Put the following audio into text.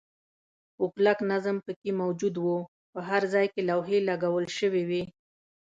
خو کلک نظم پکې موجود و، په هر ځای کې لوحې لګول شوې وې.